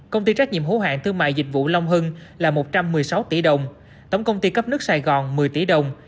công ty trách nhiệm hữu hạng thương mại dịch vụ long hưng là một trăm một mươi sáu tỷ đồng tổng công ty cấp nước sài gòn một mươi tỷ đồng